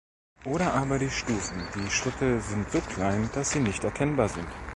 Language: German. Oder aber die Stufen, die Schritte sind so klein, dass sie nicht erkennbar sind.